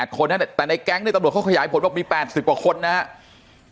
๘คนนั้นแต่ในแก๊งนี้ตำรวจเขาขยายผลว่ามี๘๐กว่าคนนะฮะ